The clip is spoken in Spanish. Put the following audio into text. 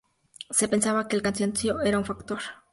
Se pensaba que el cansancio era un factor.